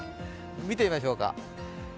見てみましょうか。